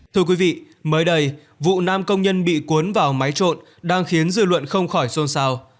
thưa quý vị mới đây vụ nam công nhân bị cuốn vào máy trộn đang khiến dư luận không khỏi xôn xao